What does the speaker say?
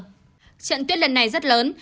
trận tuyết lần này rất lớn